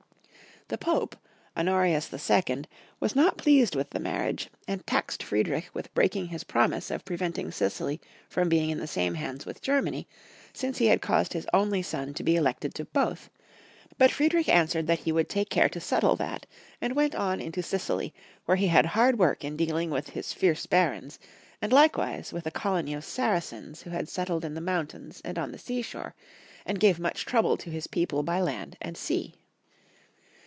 The Pope, Honorius II., was not pleased with the marriage, and taxed Friedrich with breaking his promise of preventing Sicily from being in the same hands with Germany, since he had caused his only son to be elected to both ; but Friedrich an swered that he would take care to settle that, and went on into Sicily, where he had hard work in dealing with his fierce barons, and likewise with a colony of Saracens who had settled in the moun tains and on the sea shore, and gave much trouble to his people by land and sea.